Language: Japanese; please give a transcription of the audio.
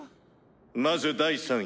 まず第３位」。